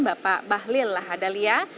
bapak bahlil lahadalia